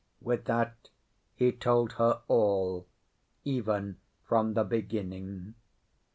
With that, he told her all, even from the beginning.